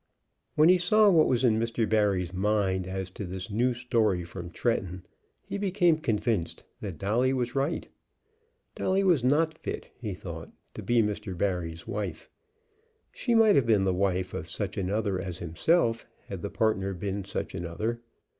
When he saw what was in Mr. Barry's mind as to this new story from Tretton, he became convinced that Dolly was right. Dolly was not fit, he thought, to be Mr. Barry's wife. She might have been the wife of such another as himself, had the partner been such another.